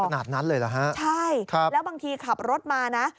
ขนาดนั้นเลยเหรอฮะใช่แล้วบางทีขับรถมานะ